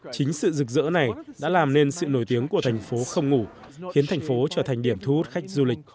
chính sự rực rỡ này đã làm nên sự nổi tiếng của thành phố không ngủ khiến thành phố trở thành điểm thu hút khách du lịch